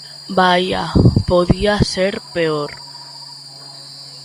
Vaia, podía ser peor.